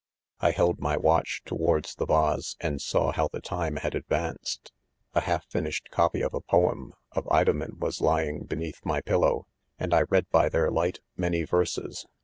I held my watch towards the vase, 'and saw how the time had advanced. A half finished copy of a poem of domen was'lying beneath my pillow, and I read by their light ma ny verses.